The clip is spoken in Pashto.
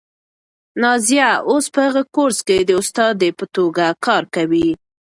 نازیه اوس په هغه کورس کې د استادې په توګه کار کوي.